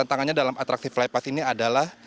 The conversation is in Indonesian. tantangannya dalam atraksi fly pass ini adalah